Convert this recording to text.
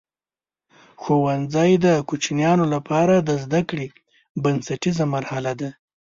ښوونځی د کوچنیانو لپاره د زده کړې بنسټیزه مرحله ده.